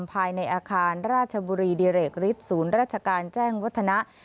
ภายในอาคารราชบุรีดิเรกฤทธิศูนย์ราชการแจ้งวัฒนะ